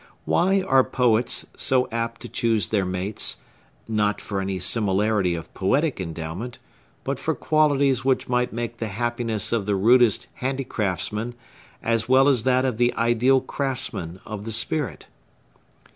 Why are poets so apt to choose their mates, not for any similarity of poetic endowment, but for qualities which might make the happiness of the rudest handicraftsman as well as that of the ideal craftsman of the spirit?